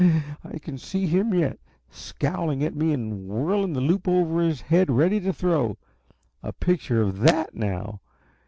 I can see him yet, scowling at me and whirling the loop over his head ready to throw. A picture of THAT, now!